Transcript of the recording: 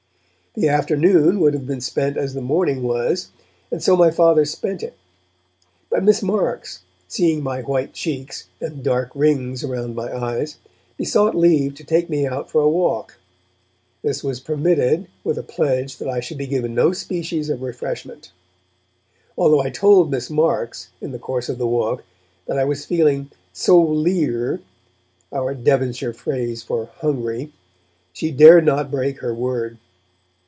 The afternoon would have been spent as the morning was, and so my Father spent it. But Miss Marks, seeing my white cheeks and the dark rings around my eyes, besought leave to take me out for a walk. This was permitted, with a pledge that I should be given no species of refreshment. Although I told Miss Marks, in the course of the walk, that I was feeling 'so leer' (our Devonshire phrase for hungry), she dared not break her word.